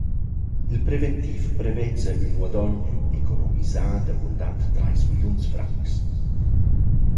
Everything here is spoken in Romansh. Il preventiv prevezza ün guadogn economisà da bundant trais milliuns francs.